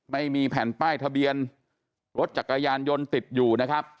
ไม่มีแผ่นป้ายทะเบียนรถจักรยานยนต์ติดอยู่นะครับ